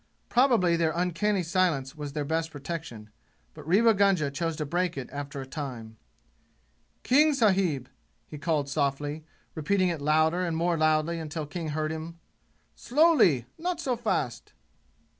Probably their uncanny silence was their best protection; but Rewa Gunga chose to break it after a time. "King sahib!" he called softly, repeating it louder and more loudly until King heard him. "Slowly! Not so fast!"